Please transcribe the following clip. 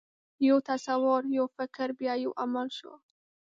یو تصور، یو فکر، بیا یو عمل شو.